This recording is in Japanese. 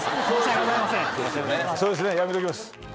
そうですねやめときます。